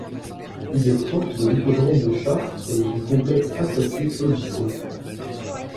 Il est proche de l'hippodrome de Chartres et du complexe aquatique L'Odyssée.